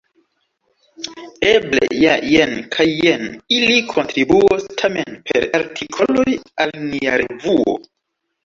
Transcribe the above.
Eble ja jen kaj jen ili kontribuos tamen per artikoloj al nia revuo.